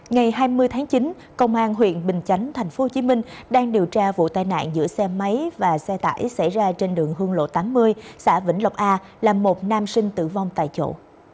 ngày hai mươi tháng chín công an huyện bình chánh tp hcm đang điều tra vụ tai nạn giữa xe máy và xe tải xảy ra trên đường hương lộ tám mươi xã vĩnh lộc a là một nam sinh tử vong tại chỗ